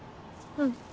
うん。